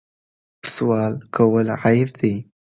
سوال کول عیب دی.